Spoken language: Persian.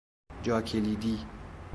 جا کلیدی